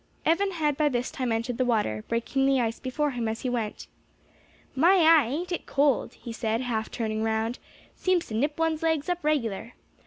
Evan had by this time entered the water, breaking the ice before him as he went. "My eye, ain't it cold!" he said, half turning round, "seems to nip one's legs up regular.